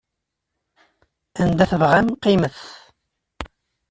Anda i tebɣam qqimet.